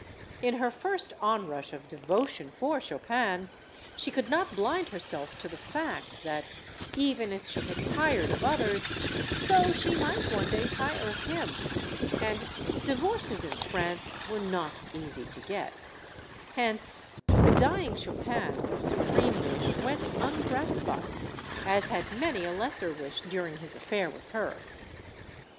In her first onrush of devotion for Chopin she could not blind herself to the fact that, even as she had tired of others, so she might one day tire of him. And divorces in France, were not easy to get. Hence, the dying Chopin's supreme wish went ungratified; as had many a lesser wish during his affair with her.